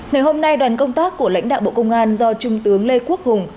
ngày hôm nay đoàn công tác của lãnh đạo bộ công an do trung tướng lê quốc hùng